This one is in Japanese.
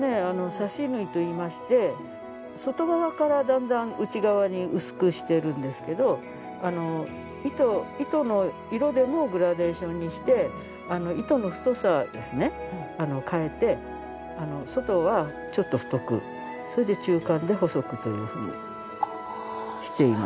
刺し縫いといいまして外側からだんだん内側に薄くしているんですけど糸の色でもグラデーションにして糸の太さをですね変えて外はちょっと太くそれで中間で細くというふうにしています。